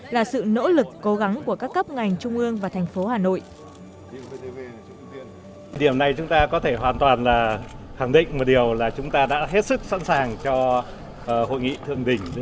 là sự nỗ lực cố gắng của các cấp ngành trung ương và thành phố hà nội